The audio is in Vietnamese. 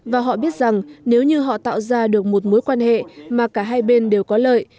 và họ biết rằng nếu như họ tạo ra được một mối quan hệ mà cả hai bên đều có lợi